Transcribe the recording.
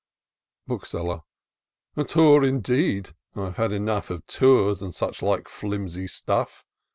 Bookseller. " A Tour indeed! I've had enough Of Tours and such like flimsy stuff.